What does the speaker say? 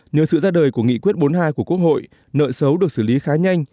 nhờ sự ra đời của nghị quyết bốn mươi hai của quốc hội nợ xấu được xử lý khá nhanh